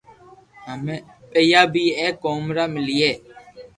ھيم پيئا بي اي ڪوم را ملئي